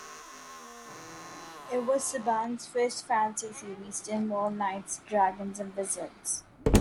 It was Saban's first fantasy series to involve knights, dragons, and wizards.